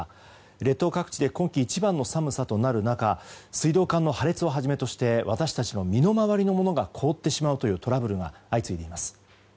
列島各地で今季一番の寒さとなる中水道管の破裂をはじめとして私たちの身の回りのものが凍ってしまうというトラブルが相次いでいます。